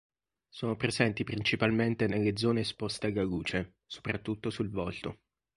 Sono presenti principalmente nelle zone esposte alla luce, soprattutto sul volto.